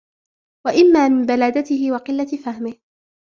وَإِمَّا مِنْ بَلَادَتِهِ وَقِلَّةِ فَهْمِهِ